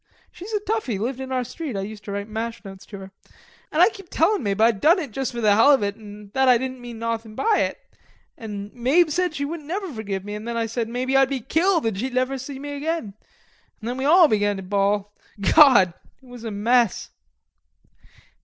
She was a toughie, lived in our street, I used to write mash notes to. An' I kep' tellin' Mabe I'd done it juss for the hell of it, an' that I didn't mean nawthin' by it. An' Mabe said she wouldn't never forgive me, an' then I said maybe I'd be killed an' she'd never see me again, an' then we all began to bawl. Gawd! it was a mess....